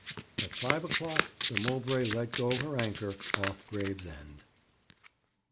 At five o'clock the Mowbray let go her anchor off Gravesend.